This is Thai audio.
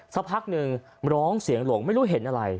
สักพักหนึ่งร้องเสียงหลงไม่รู้เห็นอะไร